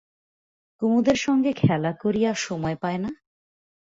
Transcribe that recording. কুমুদের সঙ্গে খেলা করিয়া সময় পায় না?